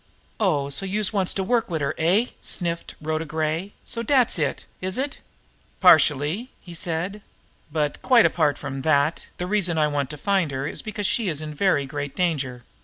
"Oh, so youse wants to work wid her, eh?" sniffed Rhoda Gray. "So dat's it, is it?" "Partially," he said. "But, quite apart from that, the reason I want to find her is because she is in very great danger.